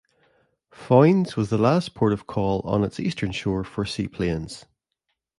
Foynes was the last port of call on its eastern shore for seaplanes.